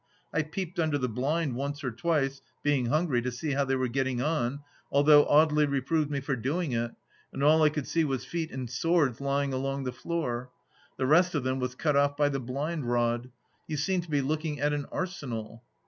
I peeped under the blind once or twice, being hungry, to see how they were getting on, although Audely reproved me for doing it, and all I could see was feet and swords lying along the floor. The rest of them was cut off by the blind rod. You seem to be looking at an arsenal.